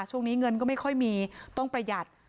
ช่วงนี้เงินก็ไม่ค่อยมีต้องประหยัด